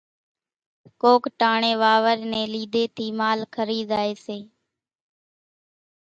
ڪوڪ ٽاڻيَ واورِ نيَ ليڌيَ ٿِي مال کرِي زائيَ سي۔